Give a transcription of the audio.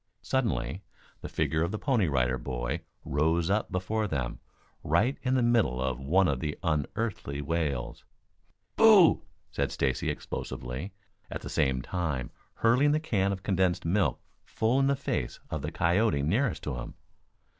Suddenly the figure of the Pony Rider Boy rose up before them, right in the middle of one of the unearthly wails. "Boo!" said Stacy explosively, at the same time hurling the can of condensed milk full in the face of the coyote nearest to him.